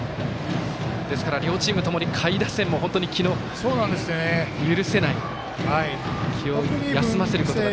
ですから、両チームともに下位打線も本当に気を休ませることができない。